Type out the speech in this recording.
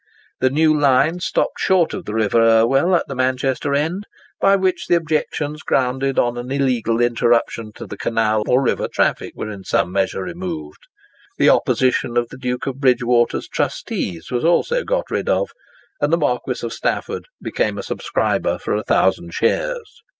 The new line stopped short of the river Irwell at the Manchester end, by which the objections grounded on an illegal interruption to the canal or river traffic were in some measure removed. The opposition of the Duke of Bridgewater's trustees was also got rid of, and the Marquis of Stafford became a subscriber for a thousand shares.